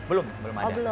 belum belum ada